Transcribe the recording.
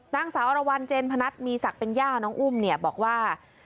นางสาวอรวรรณเจนพนัทมีศักดิ์เป็นย่าน้องอุ้มเนี่ยบอกว่า